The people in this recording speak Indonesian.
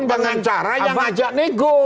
dengan cara yang ajak nego